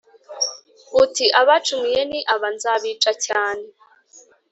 Uti: abacumuye ni aba, nzabica cyane.